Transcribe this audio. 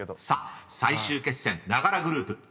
［さあ最終決戦長良グループ